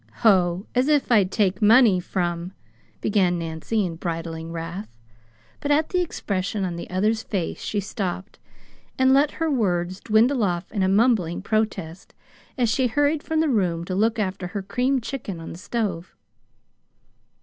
"Ho! as if I'd take money from " began Nancy, in bridling wrath; but at the expression on the other's face she stopped, and let her words dwindle off in a mumbling protest, as she hurried from the room to look after her creamed chicken on the stove.